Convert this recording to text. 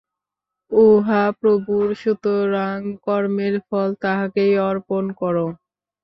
উহা প্রভুর, সুতরাং কর্মের ফল তাঁহাকেই অর্পণ কর।